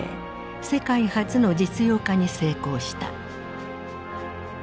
世界初の実用化に成功した。